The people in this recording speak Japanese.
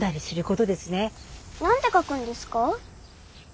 何て書くんですか？